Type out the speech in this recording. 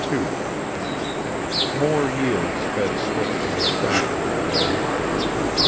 More years sped swiftly and tranquilly away.